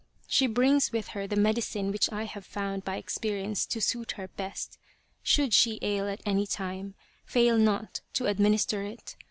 " She brings with her the medicine which I have found by experience to suit her best. Should she ail at any time, fail not to administer it.